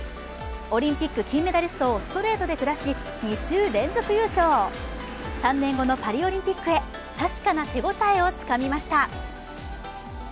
オリンピック金メダリストをストレートで下し２週連続優勝３年後のパリオリンピックへ確かな手応えをつかみました。